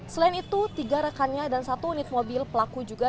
selain itu tiga rekannya dan satu unit mobil pelaku juga